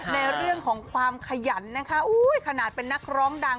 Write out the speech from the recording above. ในเรื่องของความขยันนะคะขนาดเป็นนักร้องดัง